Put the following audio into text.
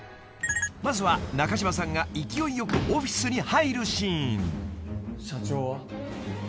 ［まずは中島さんが勢いよくオフィスに入るシーン］